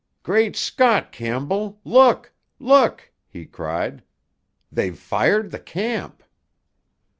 "Great Scot, Campbell! Look, look!" he cried. "They've fired the camp!"